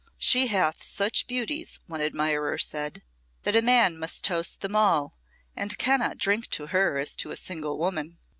"She hath such beauties," one admirer said, "that a man must toast them all and cannot drink to her as to a single woman.